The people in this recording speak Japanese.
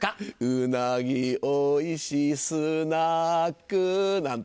うなぎおいしスナックなんてね。